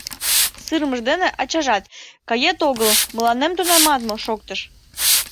Сырымыж дене ачажат «Кает-огыт, мыланем тунемат мо...» — шоктыш.